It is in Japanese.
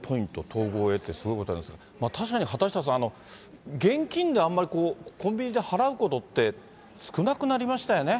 統合へってすごいことなんですが、確かに畑下さん、現金であまりコンビニで払うことって少なくなりましたよね。